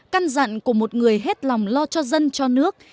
căn dặn của một người hết lòng lo cho dân cho nước